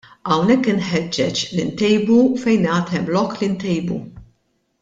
Hawnhekk inħeġġeġ li ntejbu fejn għad hemm lok li ntejbu.